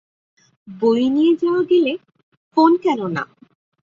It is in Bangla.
বই নিয়ে যাওয়া গেলে ফোন কেনো না?